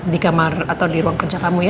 di kamar atau di ruang kerja kamu ya